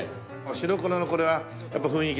白黒のこれはやっぱ雰囲気だね。